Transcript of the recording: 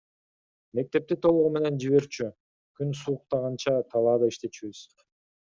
Мектепти толугу менен жиберчү, күн сууктаганча талаада иштечүбүз.